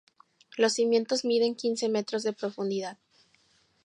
Los cimientos miden quince metros de profundidad.